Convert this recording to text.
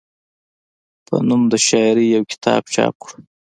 پۀ نوم د شاعرۍ يو کتاب چاپ کړو،